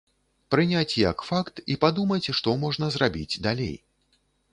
Прыняць як факт і падумаць, што можна зрабіць далей.